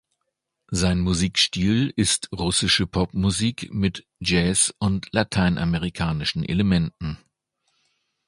Sein Musikstil ist russische Popmusik mit Jazz- und lateinamerikanischen Elementen.